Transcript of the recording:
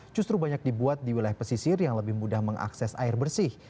justru banyak dibuat di wilayah pesisir yang lebih mudah mengakses air bersih